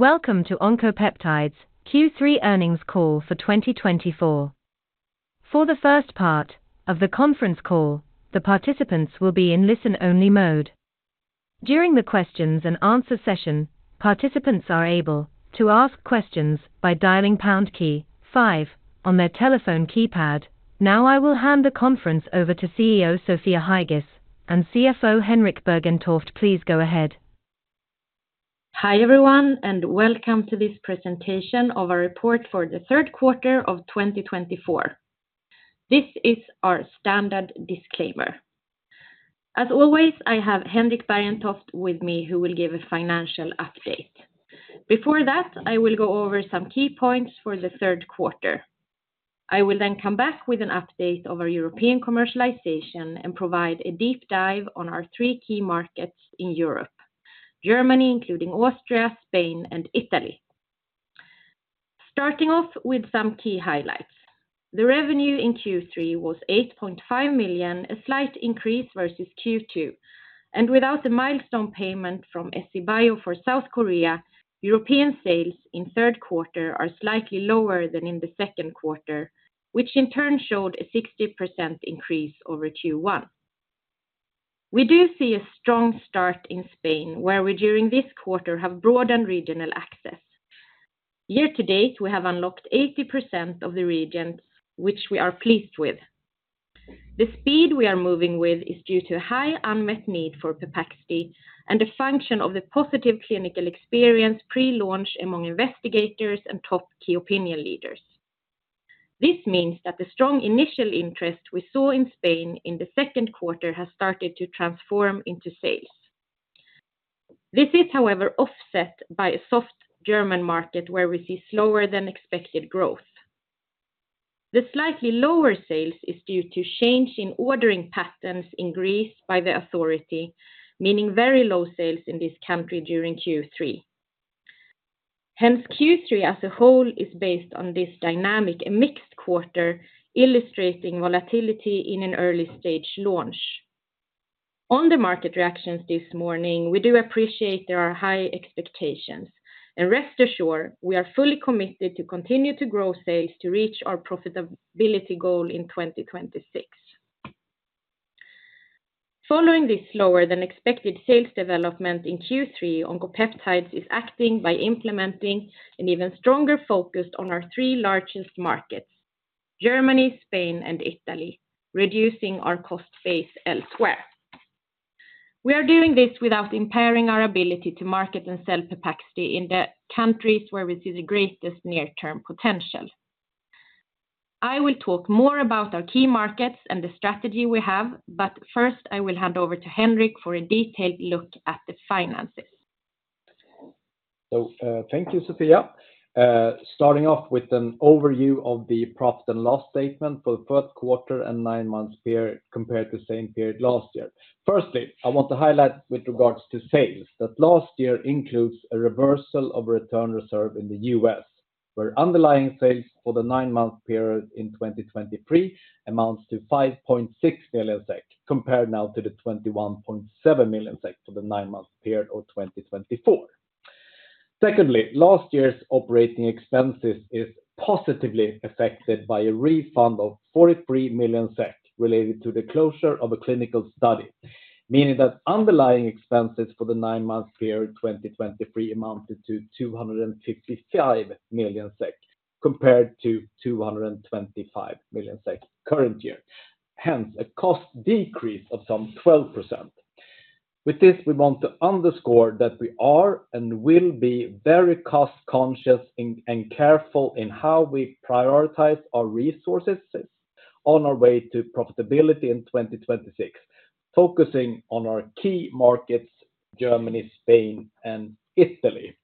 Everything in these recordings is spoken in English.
Welcome to Oncopeptides Q3 earnings call for 2024. For the first part of the conference call, the participants will be in listen-only mode. During the Q&A session, participants are able to ask questions by dialing pound key five on their telephone keypad. Now I will hand the conference over to CEO Sofia Heigis and CFO Henrik Bergentoft. Please go ahead. Hi everyone, and welcome to this presentation of our report for Q3 2024. This is our standard disclaimer. As always, I have Henrik Bergentoft with me, who will give a financial update. Before that, I will go over some key points for Q3. I will then come back with an update of our European commercialization and provide a deep dive on our three key markets in Europe: Germany, including Austria, Spain, and Italy. Starting off with some key highlights: the revenue in Q3 was 8.5 million, a slight increase versus Q2, and without the milestone payment from SCBIO for South Korea, European sales in Q3 are slightly lower than in Q2, which in turn showed a 60% increase over Q1. We do see a strong start in Spain, where we during this quarter have broadened regional access. Year to date, we have unlocked 80% of the region, which we are pleased with. The speed we are moving with is due to a high unmet need for Pepaxti and a function of the positive clinical experience pre-launch among investigators and top key opinion leaders. This means that the strong initial interest we saw in Spain in Q2 has started to transform into sales. This is, however, offset by a soft German market, where we see slower-than-expected growth. The slightly lower sales is due to a change in ordering patterns in Greece by the authority, meaning very low sales in this country during Q3. Hence, Q3 as a whole is based on this dynamic, a mixed quarter illustrating volatility in an early-stage launch. On the market reactions this morning, we do appreciate there are high expectations. Rest assured, we are fully committed to continue to grow sales to reach our profitability goal in 2026. Following this slower-than-expected sales development in Q3, Oncopeptides is acting by implementing an even stronger focus on our three largest markets: Germany, Spain, and Italy, reducing our cost base elsewhere. We are doing this without impairing our ability to market and sell Pepaxti in the countries where we see the greatest near-term potential. I will talk more about our key markets and the strategy we have, but first I will hand over to Henrik for a detailed look at the finances. Thank you, Sofia. Starting off with an overview of the profit and loss statement for fourth quarter and nine months period compared to the same period last year. Firstly, I want to highlight with regards to sales that last year includes a reversal of a return reserve in the U.S., where underlying sales for the nine-month period in 2023 amounts to 5.6 million SEK, compared now to 21.7 million SEK for the nine months period of 2024. Secondly, last year's operating expenses are positively affected by a refund of 43 million SEK related to the closure of a clinical study, meaning that underlying expenses for the nine months period 2023 amounted to 255 million SEK compared to 225 million SEK current year. Hence, a cost decrease of some 12%. With this, we want to underscore that we are and will be very cost-conscious and careful in how we prioritize our resources on our way to profitability in 2026, focusing on our key markets: Germany, Spain, and Italy.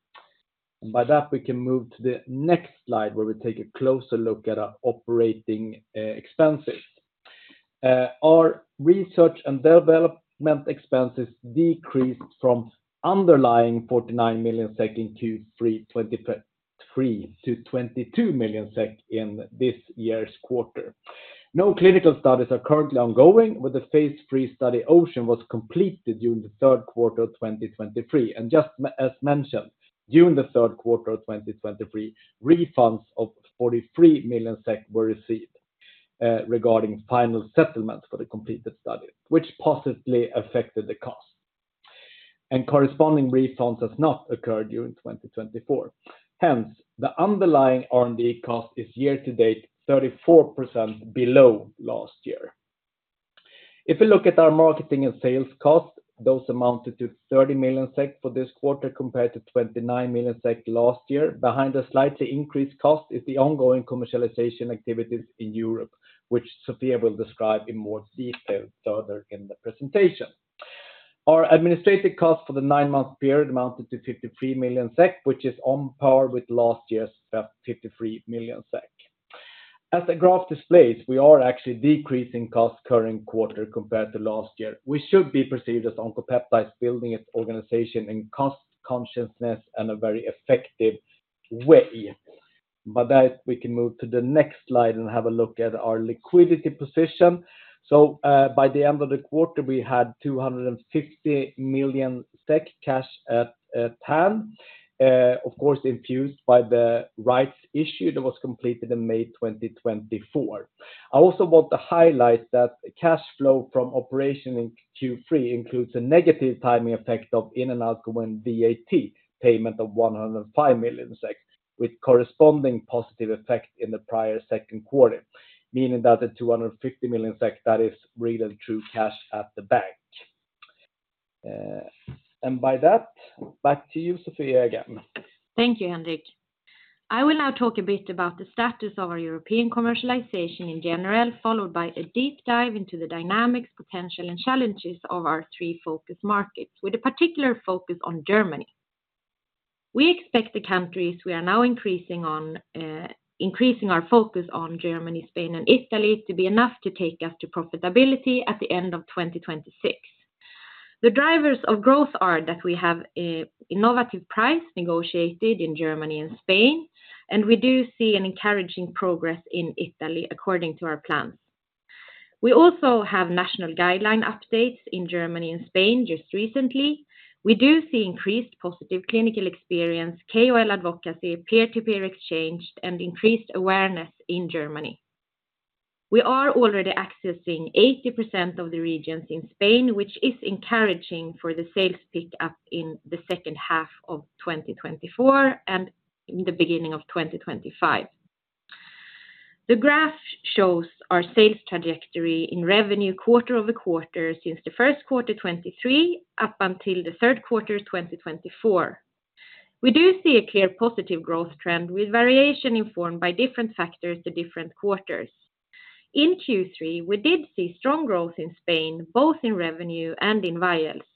By that, we can move to the next slide, where we take a closer look at our operating expenses. Our research and development expenses decreased from underlying 49 million SEK in Q3 2023 to 22 million SEK in this year's quarter. No clinical studies are currently ongoing, but the phase III study OCEAN was completed during Q3 2023. Just as mentioned, during Q3 2023, refunds of 43 million SEK were received regarding final settlement for the completed studies, which positively affected the cost. Corresponding refunds have not occurred during 2024. Hence, the underlying R&D cost is year to date 34% below last year. If we look at our marketing and sales costs, those amounted to 30 million SEK for this quarter compared to 29 million SEK last year. Behind a slightly increased cost is the ongoing commercialization activities in Europe, which Sofia will describe in more detail further in the presentation. Our administrative costs for the Q2 period amounted to 53 million SEK, which is on par with last year's 53 million SEK. As the graph displays, we are actually decreasing costs current quarter compared to last year. We should be perceived as Oncopeptides building its organization and cost consciousness in a very effective way. By that, we can move to the next slide and have a look at our liquidity position, so by the end of the quarter, we had 250 million SEK cash at hand, of course infused by the rights issue that was completed in May 2024. I also want to highlight that cash flow from operation in Q3 includes a negative timing effect of in-and-outgoing VAT payment of 105 million SEK, with corresponding positive effect in the prior second quarter, meaning that the 250 million SEK, that is real and true cash at the bank, and by that, back to you, Sofia, again. Thank you, Henrik. I will now talk a bit about the status of our European commercialization in general, followed by a deep dive into the dynamics, potential, and challenges of our three focus markets, with a particular focus on Germany. We expect the countries we are now increasing our focus on: Germany, Spain, and Italy to be enough to take us to profitability at the end of 2026. The drivers of growth are that we have innovative price negotiated in Germany and Spain, and we do see an encouraging progress in Italy according to our plans. We also have national guideline updates in Germany and Spain just recently. We do see increased positive clinical experience, KOL advocacy, peer-to-peer exchange, and increased awareness in Germany. We are already accessing 80% of the regions in Spain, which is encouraging for the sales pickup in the second half of 2024 and in the beginning of 2025. The graph shows our sales trajectory in revenue quarter-over-quarter since Q1 2023 up until Q3 2024. We do see a clear positive growth trend with variation informed by different factors to different quarters. In Q3, we did see strong growth in Spain, both in revenue and in vials.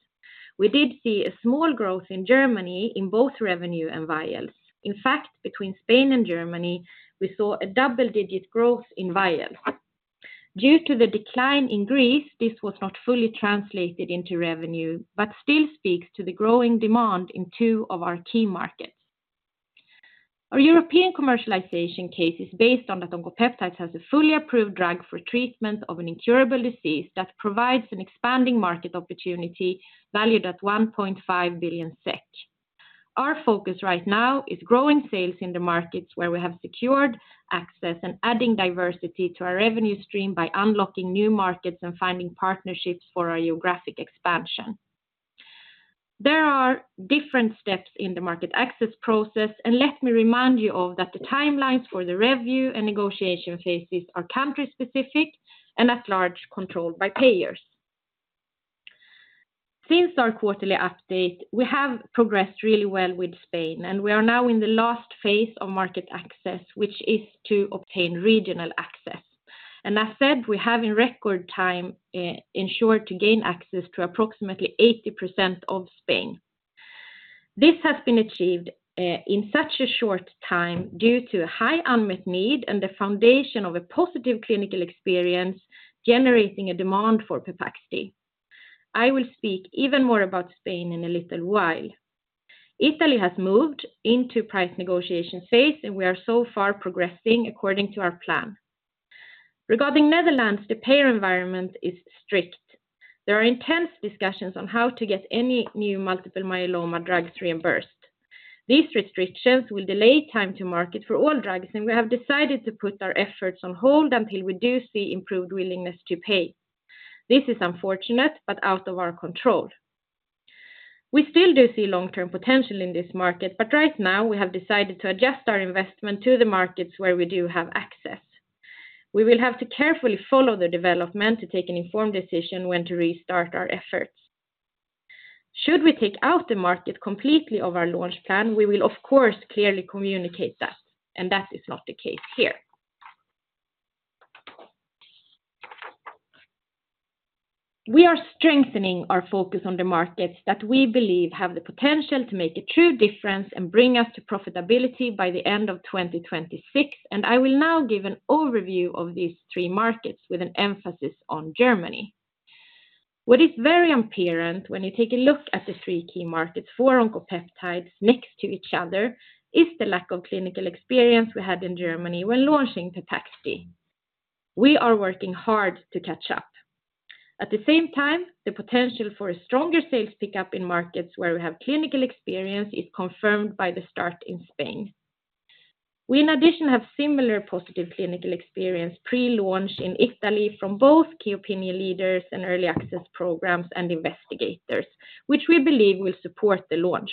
We did see a small growth in Germany in both revenue and vials. In fact, between Spain and Germany, we saw a double-digit growth in vials. Due to the decline in Greece, this was not fully translated into revenue, but still speaks to the growing demand in two of our key markets. Our European commercialization case is based on that Oncopeptides has a fully approved drug for treatment of an incurable disease that provides an expanding market opportunity valued at 1.5 billion SEK. Our focus right now is growing sales in the markets where we have secured access and adding diversity to our revenue stream by unlocking new markets and finding partnerships for our geographic expansion. There are different steps in the market access process, and let me remind you that the timelines for the review and negotiation phases are country-specific and at large controlled by payers. Since our quarterly update, we have progressed really well with Spain, and we are now in the last phase of market access, which is to obtain regional access, and as said, we have in record time ensured to gain access to approximately 80% of Spain. This has been achieved in such a short time due to a high unmet need and the foundation of a positive clinical experience generating a demand for Pepaxti. I will speak even more about Spain in a little while. Italy has moved into the price negotiation phase, and we are so far progressing according to our plan. Regarding the Netherlands, the payer environment is strict. There are intense discussions on how to get any new multiple myeloma drugs reimbursed. These restrictions will delay time to market for all drugs, and we have decided to put our efforts on hold until we do see improved willingness to pay. This is unfortunate, but out of our control. We still do see long-term potential in this market, but right now we have decided to adjust our investment to the markets where we do have access. We will have to carefully follow the development to take an informed decision when to restart our efforts. Should we take out the market completely of our launch plan, we will, of course, clearly communicate that, and that is not the case here. We are strengthening our focus on the markets that we believe have the potential to make a true difference and bring us to profitability by the end of 2026. And I will now give an overview of these three markets with an emphasis on Germany. What is very apparent when you take a look at the three key markets for Oncopeptides next to each other is the lack of clinical experience we had in Germany when launching Pepaxti. We are working hard to catch up. At the same time, the potential for a stronger sales pickup in markets where we have clinical experience is confirmed by the start in Spain. We, in addition, have similar positive clinical experience pre-launch in Italy from both key opinion leaders and early access programs and investigators, which we believe will support the launch.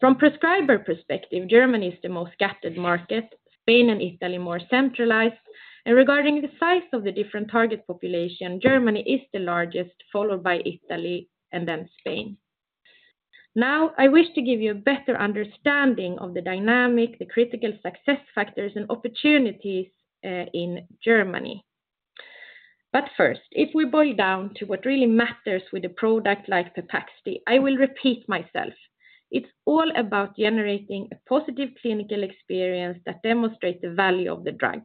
From a prescriber perspective, Germany is the most scattered market, Spain and Italy more centralized, and regarding the size of the different target population, Germany is the largest, followed by Italy and then Spain. Now, I wish to give you a better understanding of the dynamic, the critical success factors, and opportunities in Germany. But first, if we boil down to what really matters with a product like Pepaxti, I will repeat myself. It's all about generating a positive clinical experience that demonstrates the value of the drug.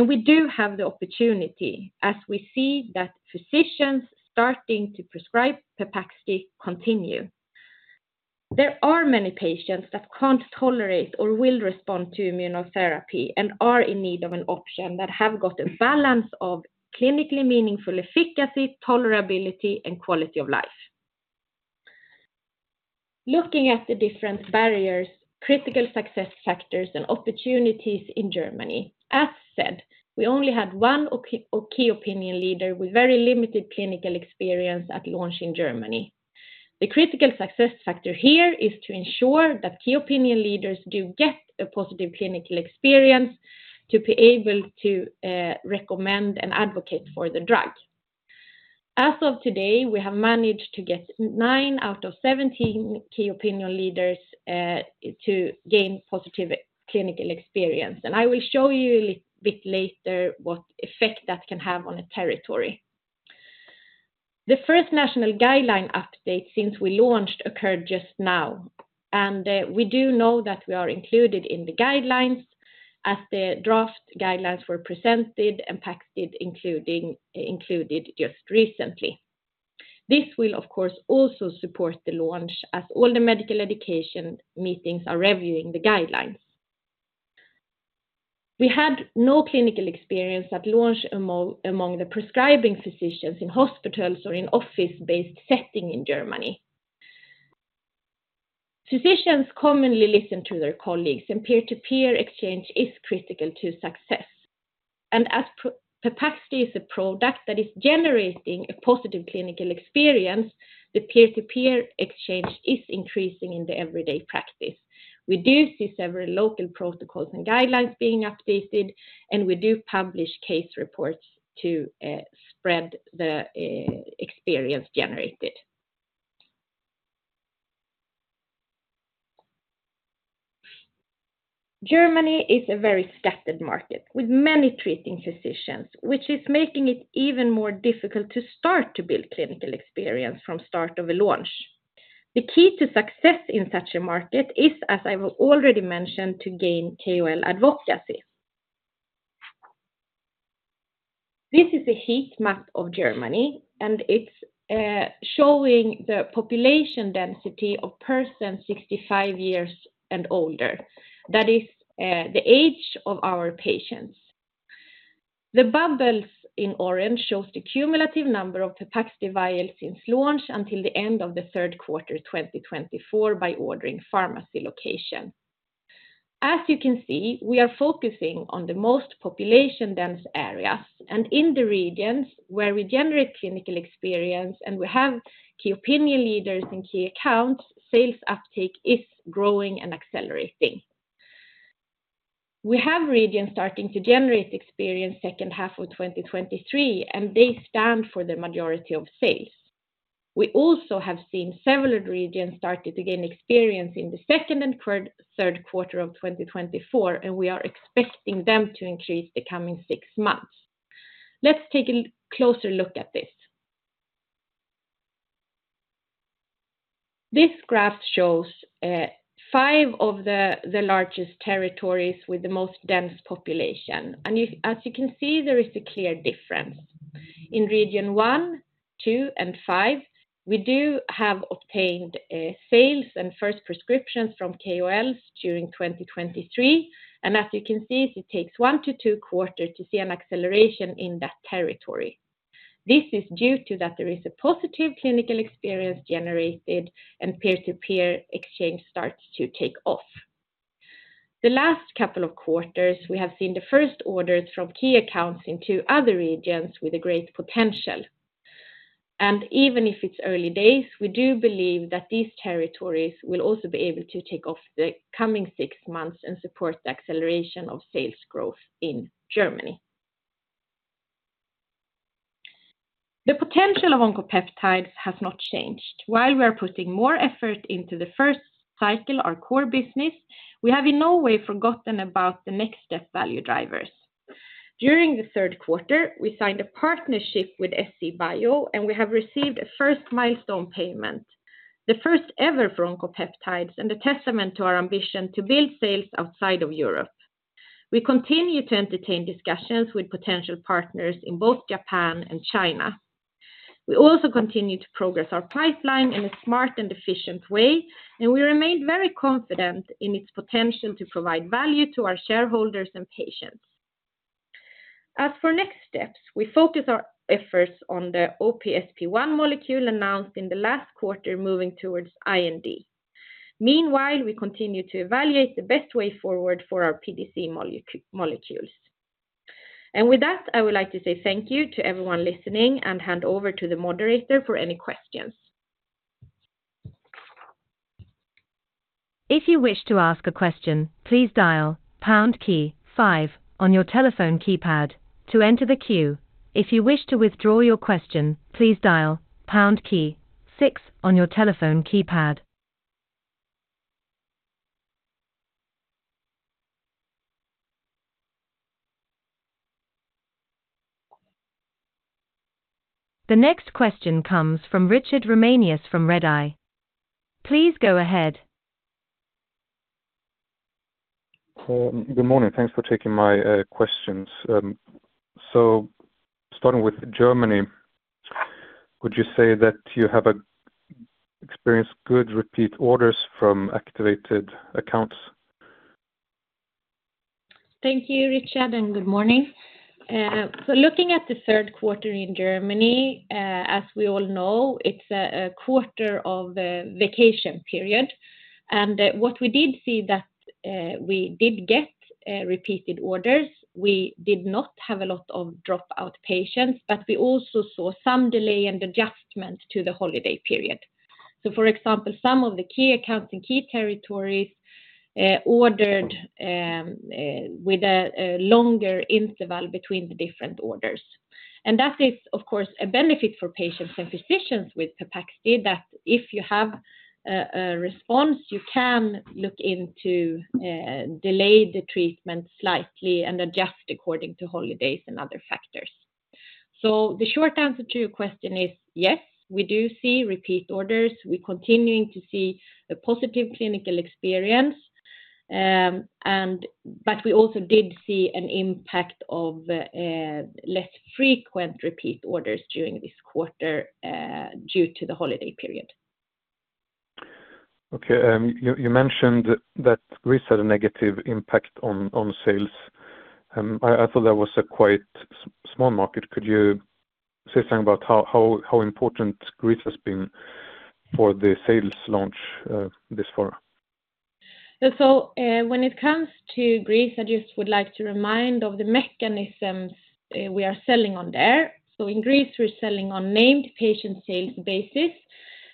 We do have the opportunity, as we see that physicians starting to prescribe Pepaxti continue. There are many patients that can't tolerate or will respond to immunotherapy and are in need of an option that has got a balance of clinically meaningful efficacy, tolerability, and quality of life. Looking at the different barriers, critical success factors, and opportunities in Germany, as said, we only had one key opinion leader with very limited clinical experience at launch in Germany. The critical success factor here is to ensure that key opinion leaders do get a positive clinical experience to be able to recommend and advocate for the drug. As of today, we have managed to get nine out of 17 key opinion leaders to gain positive clinical experience. And I will show you a little bit later what effect that can have on a territory. The first national guideline update since we launched occurred just now, and we do know that we are included in the guidelines as the draft guidelines were presented and Pepaxti included just recently. This will, of course, also support the launch as all the medical education meetings are reviewing the guidelines. We had no clinical experience at launch among the prescribing physicians in hospitals or in office-based settings in Germany. Physicians commonly listen to their colleagues, and peer-to-peer exchange is critical to success. And as Pepaxti is a product that is generating a positive clinical experience, the peer-to-peer exchange is increasing in the everyday practice. We do see several local protocols and guidelines being updated, and we do publish case reports to spread the experience generated. Germany is a very scattered market with many treating physicians, which is making it even more difficult to start to build clinical experience from the start of a launch. The key to success in such a market is, as I've already mentioned, to gain KOL advocacy. This is a heat map of Germany, and it's showing the population density of persons 65 years and older, that is, the age of our patients. The bubbles in orange show the cumulative number of Pepaxti vials since launch until the end of the third quarter 2024 by ordering pharmacy location. As you can see, we are focusing on the most population-dense areas, and in the regions where we generate clinical experience and we have key opinion leaders and key accounts, sales uptake is growing and accelerating. We have regions starting to generate experience in the second half of 2023, and they stand for the majority of sales. We also have seen several regions starting to gain experience in the second and third quarter of 2024, and we are expecting them to increase the coming six months. Let's take a closer look at this. This graph shows five of the largest territories with the most dense population, and as you can see, there is a clear difference. In region one, two, and five, we do have obtained sales and first prescriptions from KOLs during 2023, and as you can see, it takes one to two quarters to see an acceleration in that territory. This is due to that there is a positive clinical experience generated, and peer-to-peer exchange starts to take off. The last couple of quarters, we have seen the first orders from key accounts in two other regions with a great potential. And even if it's early days, we do believe that these territories will also be able to take off the coming six months and support the acceleration of sales growth in Germany. The potential of Oncopeptides has not changed. While we are putting more effort into the first cycle, our core business, we have in no way forgotten about the next step value drivers. During the third quarter, we signed a partnership with SCBIO, and we have received a first milestone payment, the first ever for Oncopeptides and a testament to our ambition to build sales outside of Europe. We continue to entertain discussions with potential partners in both Japan and China. We also continue to progress our pipeline in a smart and efficient way, and we remain very confident in its potential to provide value to our shareholders and patients. As for next steps, we focus our efforts on the OPSP1 molecule announced in the last quarter, moving towards IND. Meanwhile, we continue to evaluate the best way forward for our PDC molecules. And with that, I would like to say thank you to everyone listening and hand over to the moderator for any questions. If you wish to ask a question, please dial pound key five on your telephone keypad to enter the queue. If you wish to withdraw your question, please dial pound key six on your telephone keypad. The next question comes from Richard Ramanius from Redeye. Please go ahead. Good morning. Thanks for taking my questions. So starting with Germany, would you say that you have experienced good repeat orders from activated accounts? Thank you, Richard, and good morning. Looking at the third quarter in Germany, as we all know, it is a quarter of a vacation period. And what we did see, that we did get repeated orders, we did not have a lot of dropout patients, but we also saw some delay and adjustment to the holiday period. For example, some of the key accounts in key territories ordered with a longer interval between the different orders. And that is, of course, a benefit for patients and physicians with Pepaxti that if you have a response, you can look into delaying the treatment slightly and adjust according to holidays and other factors. The short answer to your question is yes, we do see repeat orders. We are continuing to see a positive clinical experience, but we also did see an impact of less frequent repeat orders during this quarter due to the holiday period. Okay. You mentioned that Greece had a negative impact on sales. I thought that was a quite small market. Could you say something about how important Greece has been for the sales launch this far? So when it comes to Greece, I just would like to remind of the mechanisms we are selling on there. So in Greece, we're selling on named patient sales basis,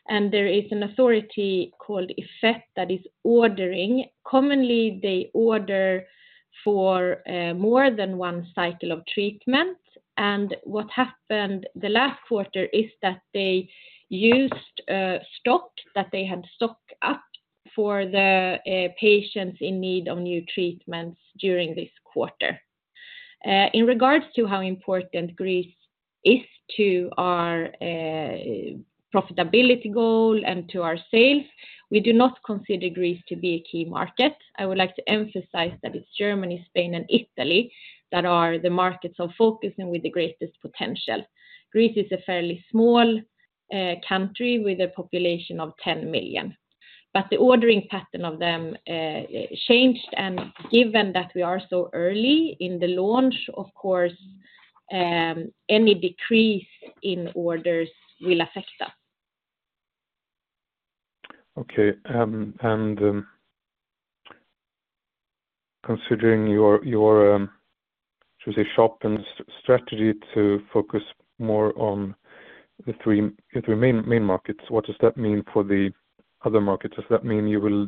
and there is an authority called IFET that is ordering. Commonly, they order for more than one cycle of treatment. And what happened the last quarter is that they used stock that they had stocked up for the patients in need of new treatments during this quarter. In regards to how important Greece is to our profitability goal and to our sales, we do not consider Greece to be a key market. I would like to emphasize that it's Germany, Spain, and Italy that are the markets of focus and with the greatest potential. Greece is a fairly small country with a population of 10 million. But the ordering pattern of them changed, and given that we are so early in the launch, of course, any decrease in orders will affect us. Okay. And considering your, should we say, shifting strategy to focus more on the three main markets, what does that mean for the other markets? Does that mean you will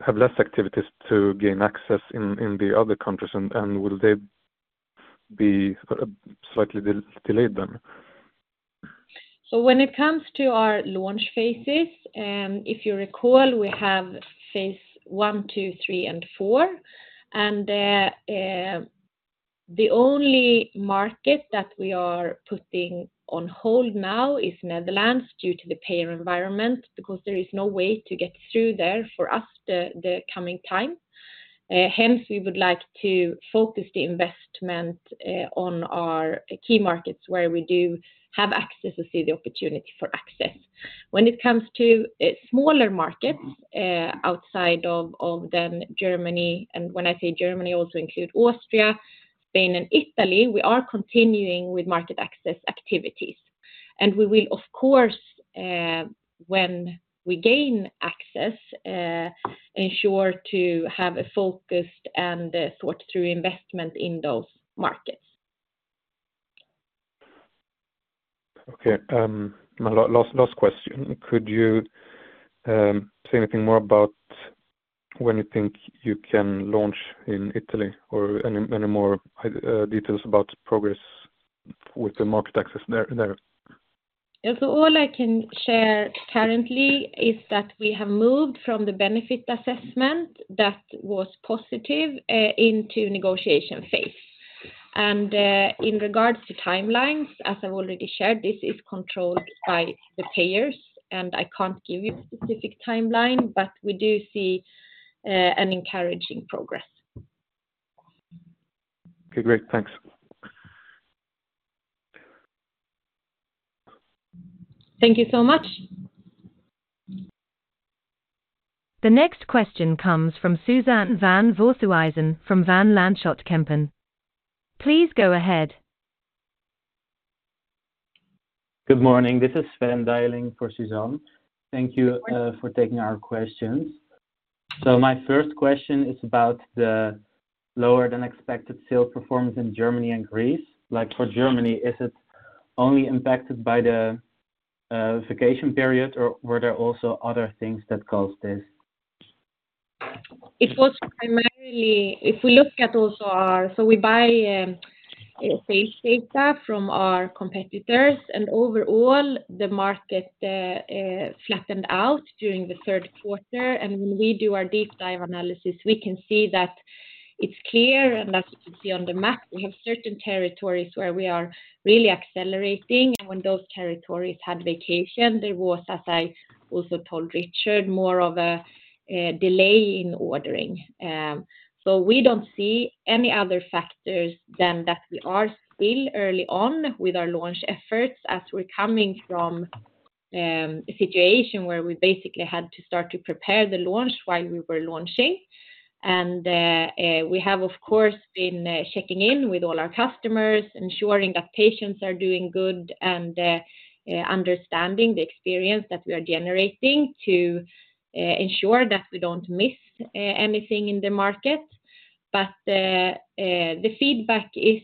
have less activities to gain access in the other countries, and will they be slightly delayed then? So when it comes to our launch phases, if you recall, we have phase I, II, III, and IV. And the only market that we are putting on hold now is Netherlands due to the payer environment because there is no way to get through there for us the coming time. Hence, we would like to focus the investment on our key markets where we do have access or see the opportunity for access. When it comes to smaller markets outside of then Germany, and when I say Germany, I also include Austria, Spain, and Italy, we are continuing with market access activities. And we will, of course, when we gain access, ensure to have a focused and thought-through investment in those markets. Okay. Last question. Could you say anything more about when you think you can launch in Italy or any more details about progress with the market access there? Yeah. So all I can share currently is that we have moved from the benefit assessment that was positive into negotiation phase, and in regards to timelines, as I've already shared, this is controlled by the payers, and I can't give you a specific timeline, but we do see an encouraging progress. Okay. Great. Thanks. Thank you so much. The next question comes from Suzanne van Voorthuizen from Van Lanschot Kempen. Please go ahead. Good morning. This is Sven Daniels for Suzanne. Thank you for taking our questions. So my first question is about the lower-than-expected sales performance in Germany and Greece. For Germany, is it only impacted by the vacation period, or were there also other things that caused this? It was primarily if we look at also our so we buy sales data from our competitors, and overall, the market flattened out during the third quarter, and when we do our deep-dive analysis, we can see that it's clear, and as you can see on the map, we have certain territories where we are really accelerating, and when those territories had vacation, there was, as I also told Richard, more of a delay in ordering, so we don't see any other factors than that we are still early on with our launch efforts as we're coming from a situation where we basically had to start to prepare the launch while we were launching, and we have, of course, been checking in with all our customers, ensuring that patients are doing good, and understanding the experience that we are generating to ensure that we don't miss anything in the market. But the feedback is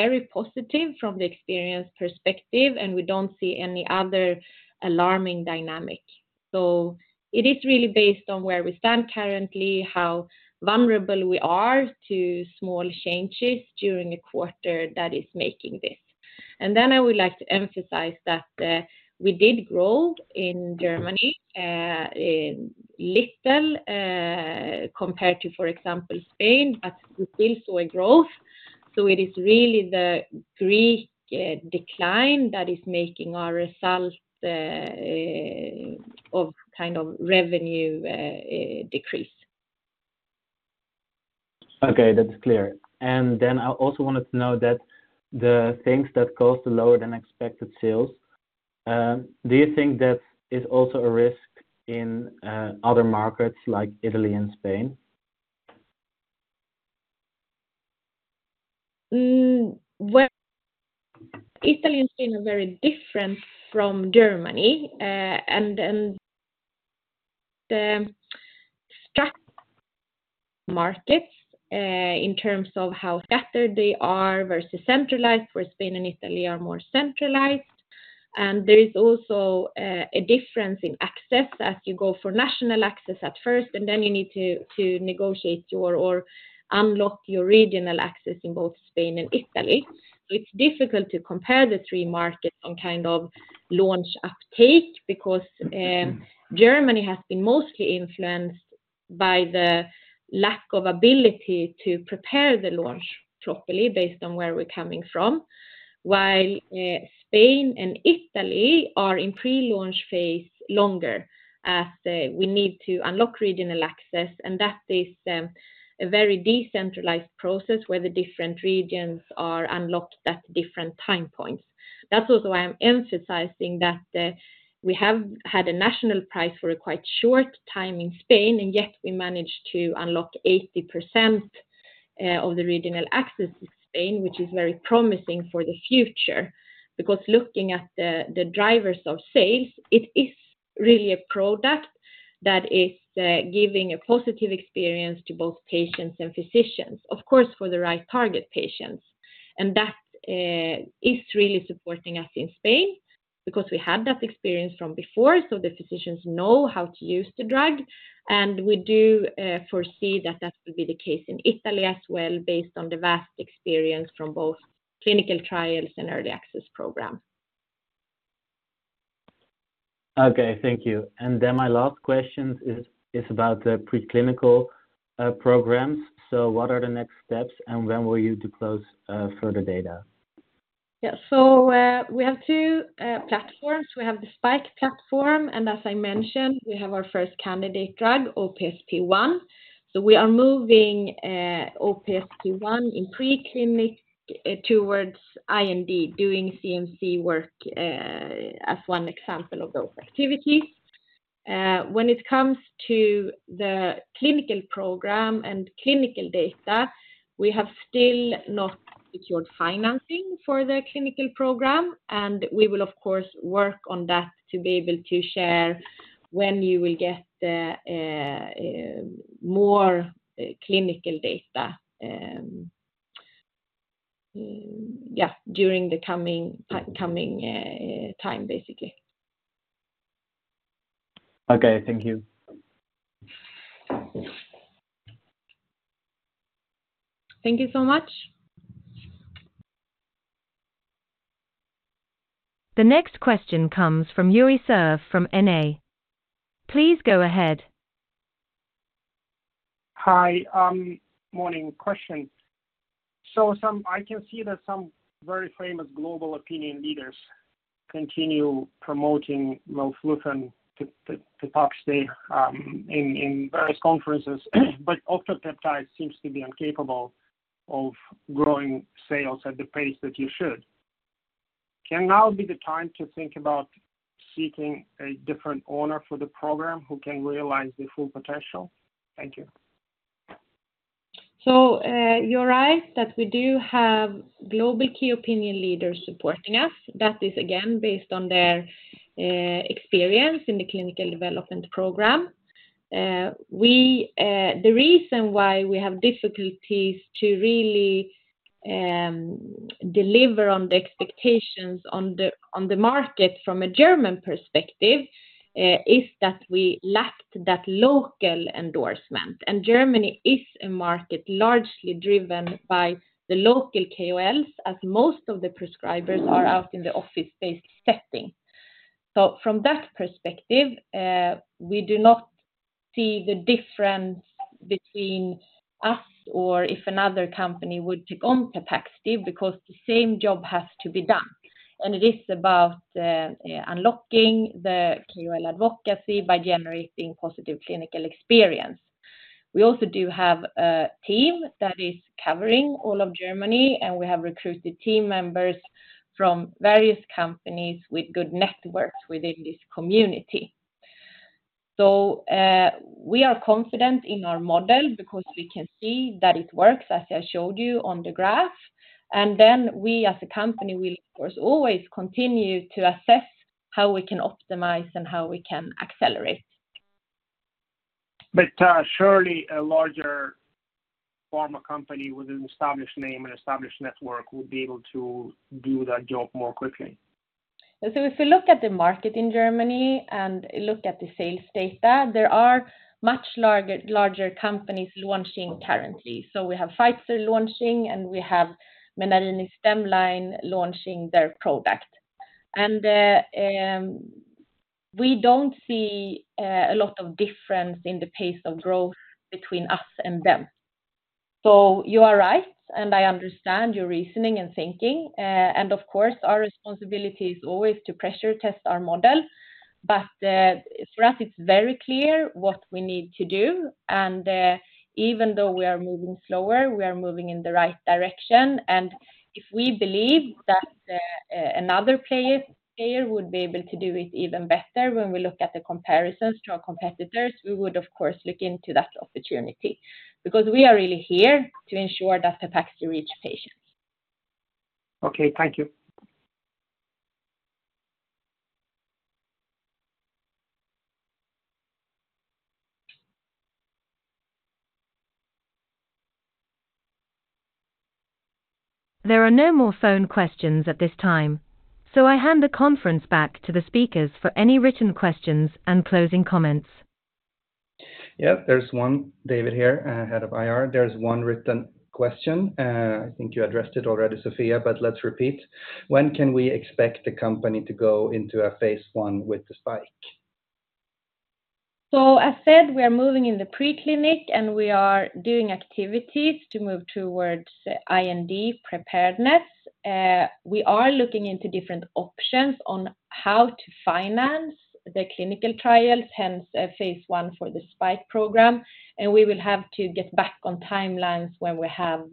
very positive from the experience perspective, and we don't see any other alarming dynamic. So it is really based on where we stand currently, how vulnerable we are to small changes during a quarter that is making this. And then I would like to emphasize that we did grow in Germany little compared to, for example, Spain, but we still saw a growth. So it is really the Greek decline that is making our result of kind of revenue decrease. Okay. That's clear. And then I also wanted to know that the things that caused the lower-than-expected sales, do you think that is also a risk in other markets like Italy and Spain? Italy and Spain are very different from Germany. And the markets in terms of how scattered they are versus centralized, where Spain and Italy are more centralized. There is also a difference in access as you go for national access at first, and then you need to negotiate or unlock your regional access in both Spain and Italy. It's difficult to compare the three markets on kind of launch uptake because Germany has been mostly influenced by the lack of ability to prepare the launch properly based on where we're coming from, while Spain and Italy are in pre-launch phase longer as we need to unlock regional access. That is a very decentralized process where the different regions are unlocked at different time points. That's also why I'm emphasizing that we have had a national price for a quite short time in Spain, and yet we managed to unlock 80% of the regional access in Spain, which is very promising for the future because looking at the drivers of sales, it is really a product that is giving a positive experience to both patients and physicians, of course, for the right target patients. And that is really supporting us in Spain because we had that experience from before. So the physicians know how to use the drug, and we do foresee that that will be the case in Italy as well based on the vast experience from both clinical trials and early access program. Okay. Thank you. And then my last question is about the preclinical programs. So what are the next steps, and when will you deploy further data? Yeah. So we have two platforms. We have the SPiKE platform, and as I mentioned, we have our first candidate drug, OPSP1. So we are moving OPSP1 in preclinical towards IND, doing CMC work as one example of those activities. When it comes to the clinical program and clinical data, we have still not secured financing for the clinical program, and we will, of course, work on that to be able to share when you will get more clinical data, yeah, during the coming time, basically. Okay. Thank you. Thank you so much. The next question comes from Yuri Serov from Redburn. Please go ahead. Hi. Morning. Question. So I can see that some very famous global opinion leaders continue promoting melflufen Pepaxti in various conferences, but Oncopeptides seems to be incapable of growing sales at the pace that you should. Can now be the time to think about seeking a different owner for the program who can realize the full potential? Thank you. So you're right that we do have global key opinion leaders supporting us. That is, again, based on their experience in the clinical development program. The reason why we have difficulties to really deliver on the expectations on the market from a German perspective is that we lacked that local endorsement. And Germany is a market largely driven by the local KOLs as most of the prescribers are out in the office-based setting. So from that perspective, we do not see the difference between us or if another company would take on Pepaxti because the same job has to be done. And it is about unlocking the KOL advocacy by generating positive clinical experience. We also do have a team that is covering all of Germany, and we have recruited team members from various companies with good networks within this community. So we are confident in our model because we can see that it works, as I showed you on the graph. And then we, as a company, will, of course, always continue to assess how we can optimize and how we can accelerate. But surely a larger pharma company with an established name and established network would be able to do that job more quickly. So if we look at the market in Germany and look at the sales data, there are much larger companies launching currently. So we have Pfizer launching, and we have Menarini Stemline launching their product. And we don't see a lot of difference in the pace of growth between us and them. So you are right, and I understand your reasoning and thinking. And of course, our responsibility is always to pressure test our model. But for us, it's very clear what we need to do. And even though we are moving slower, we are moving in the right direction. And if we believe that another player would be able to do it even better when we look at the comparisons to our competitors, we would, of course, look into that opportunity because we are really here to ensure that Pepaxti reaches patients. Okay. Thank you. There are no more phone questions at this time, so I hand the conference back to the speakers for any written questions and closing comments. Yep. There's one, David here, head of IR. There's one written question. I think you addressed it already, Sofia, but let's repeat. When can we expect the company to go into a phase I with the SPiKE? As said, we are moving in the preclinical, and we are doing activities to move towards IND preparedness. We are looking into different options on how to finance the clinical trials, hence phase I for the SPiKE program. We will have to get back on timelines when we have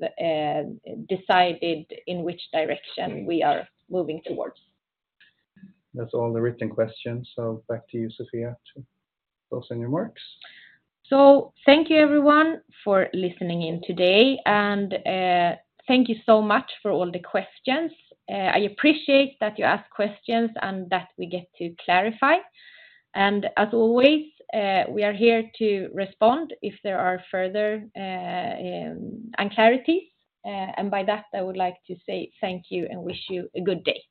decided in which direction we are moving towards. That's all the written questions. Back to you, Sofia, to close with your remarks. Thank you, everyone, for listening in today. Thank you so much for all the questions. I appreciate that you asked questions and that we get to clarify. As always, we are here to respond if there are further unclarities. By that, I would like to say thank you and wish you a good day.